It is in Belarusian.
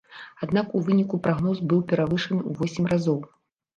Аднак у выніку прагноз быў перавышаны ў восем разоў.